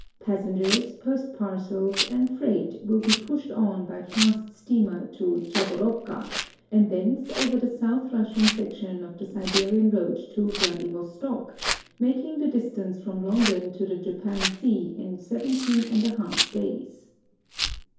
Passengers, post parcels, and freight will be pushed on by fast steamer to Chaborowka, and thence over the South Russian section of the Siberian road to Vladivos tok, making the distance from London to the Japan sea in 17 i days.